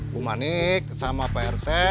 bu manik sama pak rt